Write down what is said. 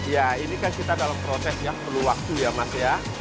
ya ini kan kita dalam proses ya perlu waktu ya mas ya